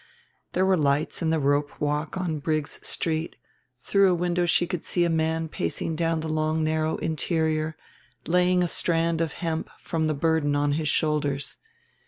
There were lights in the rope walk on Briggs Street; through a window she could see a man pacing down the long narrow interior laying a strand of hemp from the burden on his shoulders.